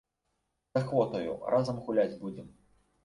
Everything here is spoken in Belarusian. З ахвотаю, разам гуляць будзем.